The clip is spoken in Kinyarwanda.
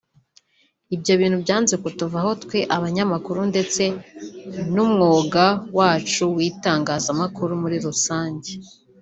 Ibyo bintu byanze kutuvaho twe abanyamakuru ndetse n’umwuga wacu w’itangazamakuru muri rusange